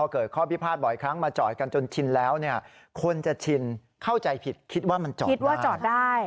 คนจะชินเข้าใจผิดคิดว่ามันจอดได้